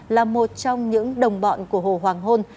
là một trong những đồng bọn của hồ hoàng hôn